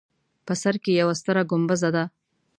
په سر کې یوه ستره ګومبزه ده.